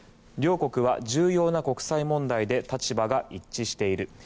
両国は重要な国際問題で立場が一致している。